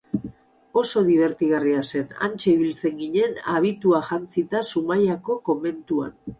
Oso dibertigarria zen, hantxe ibiltzen ginen abitua jantzita Zumaiako komentuan.